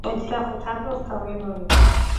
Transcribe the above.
ოცდახუთ აპრილს თოვლი მოვიდა